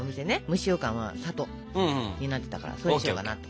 蒸しようかんは「里」になってたからそうしようかなと。